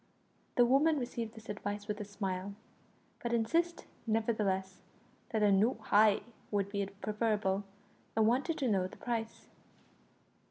The woman received this advice with a smile, but insisted nevertheless that a "noo heye" would be preferable, and wanted to know the price.